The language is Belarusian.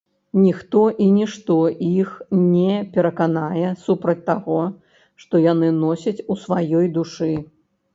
Ніхто і нішто іх не пераканае супроць таго, што яны носяць у сваёй душы.